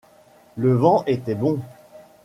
Le vent était bon.